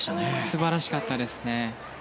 素晴らしかったですね。